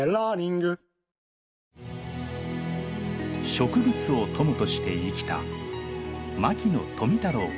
植物を友として生きた牧野富太郎博士。